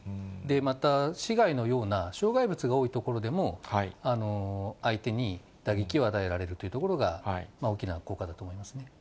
また市街のような障害物が多い所でも、相手に打撃を与えられるというところが、大きな効果だと思います